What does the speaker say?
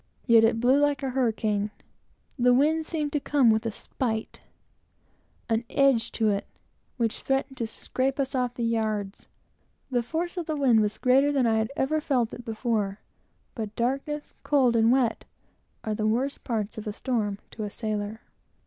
Yet it blew like a hurricane. The wind seemed to come with a spite, an edge to it, which threatened to scrape us off the yards. The mere force of the wind was greater than I had ever seen it before; but darkness, cold, and wet are the worst parts of a storm to a sailor.